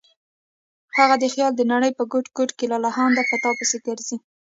هغه د خیال د نړۍ په ګوټ ګوټ کې لالهانده په تا پسې ګرځي.